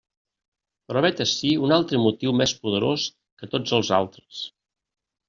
Però vet ací un altre motiu més poderós que tots els altres.